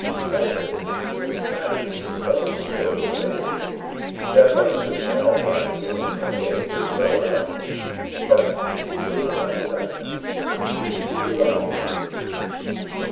Scalp disease Confounds me, crossing so with leprosy — Thou hadst admired one sort I gained at Zoar — But zeal outruns discretion. Here I end.